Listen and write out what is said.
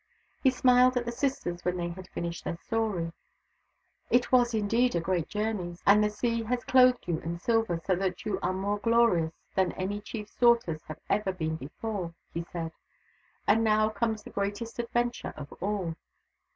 He smiled at the sisters when they had finished their story. " It was indeed a great journey ; and the Sea has clothed you in silver, so that you are more glorious than any chief's daughters have ever been before," he said. " And now comes the greatest adventure of all."